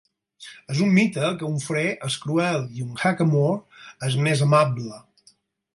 És un mite que un fre és cruel i un hackamore és més amable.